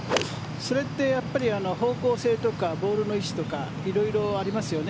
それって方向性とかボールの位置とか色々ありますよね。